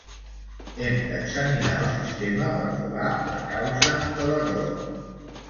Hem d'examinar el sistema per trobar la causa de l'error.